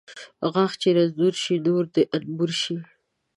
ـ غاښ چې رنځور شي ، نور د انبور شي .